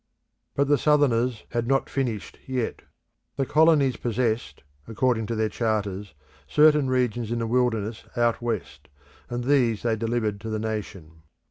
But the Southerners had not finished yet. The colonies possessed, according to their charters, certain regions in the wilderness out west, and these they delivered to the nation.